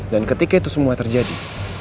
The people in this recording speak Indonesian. dan ketika itu semua terjadi